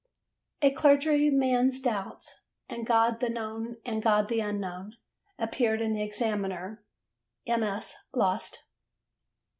A Clergyman's Doubts and God the Known and God the Unknown appeared in the Examiner: MS. lost.